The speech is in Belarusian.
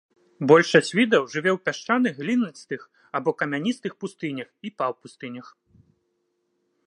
Большасць відаў жыве ў пясчаных, гліністых або камяністых пустынях і паўпустынях.